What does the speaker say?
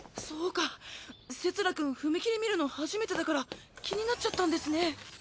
そうかセツラくん踏切見るの初めてだから気になっちゃったんですね。